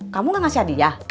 kamu gak ngasih adik ya